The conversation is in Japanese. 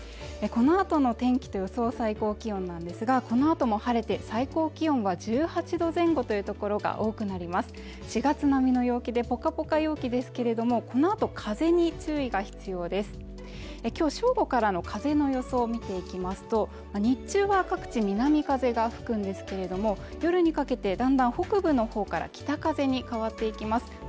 このあとの天気と予想最高気温なんですがこのあとも晴れて最高気温は１８度前後という所が多くなります４月並みの陽気でぽかぽか陽気ですけれどもこのあと風に注意が必要です今日正午からの風の予想見ていきますと日中は各地南風が吹くんですけれども夜にかけてだんだん北部のほうから北風に変わっていきます